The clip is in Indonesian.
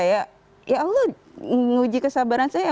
ya allah nguji kesabaran saya